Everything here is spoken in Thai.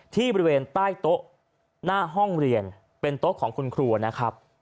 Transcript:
ที่บริเวณใต้โต๊ะหน้าห้องเรียนเป็นโต๊ะของคุณครูนะครับ